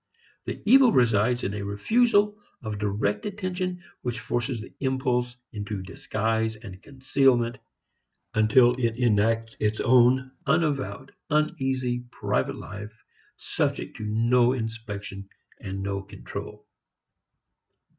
The evil resides in a refusal of direct attention which forces the impulse into disguise and concealment, until it enacts its own unavowed uneasy private life subject to no inspection and no control.